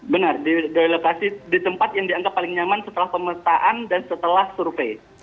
benar direlokasi di tempat yang dianggap paling nyaman setelah pemetaan dan setelah survei